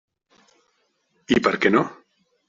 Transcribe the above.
I per què no?